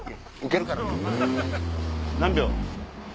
何秒？